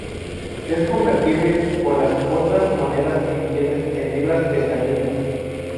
Es convertible con las otras monedas y billetes en libras esterlinas.